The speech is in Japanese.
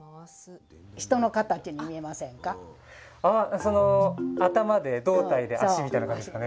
ああ頭で胴体で足みたいな感じですかね？